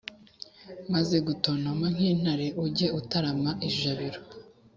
maze gutontoma nk’intare, ujye utarama ijabiro.